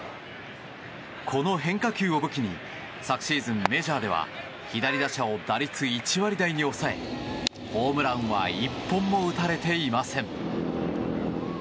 この変化球を武器に昨シーズン、メジャーでは左打者を打率１割台に抑えホームランは１本も打たれていません。